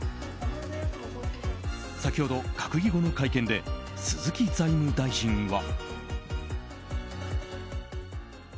先ほど、閣議後の会見で鈴木財務大臣は。